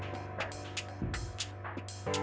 mereka pasti akan terpisah